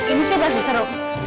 ini sih masih seru